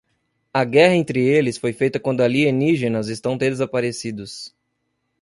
A guerra entre eles foi feita quando alienígenas estão desaparecidos.